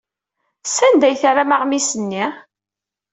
Sanda ay terram aɣmis-nni?